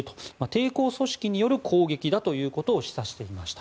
抵抗組織による攻撃だということを示唆していました。